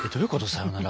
さよなら。